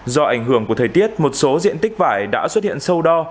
do ảnh hưởng của thời tiết một số diện tích vải đã xuất hiện sâu đo